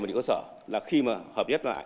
ở những cơ sở là khi mà hợp nhất lại